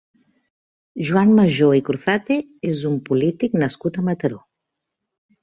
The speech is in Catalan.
Joan Majó i Cruzate és un polític nascut a Mataró.